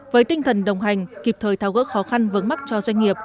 với tinh thần đồng hành kịp thời tháo gỡ khó khăn vớn mắc cho doanh nghiệp